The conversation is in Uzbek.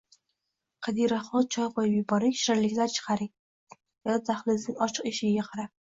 Qadiraxon, choy qoʻyib yuboring, shirinliklar chiqaring, dedi dahlizning ochiq eshigiga qarab